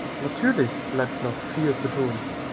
Natürlich bleibt noch viel zu tun.